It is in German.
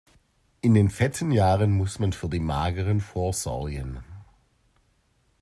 In den fetten Jahren muss man für die mageren vorsorgen.